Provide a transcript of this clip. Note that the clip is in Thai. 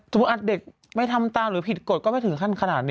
เด็กไม่ทำตามหรือผิดกฎก็ไม่ถึงขั้นขนาดนี้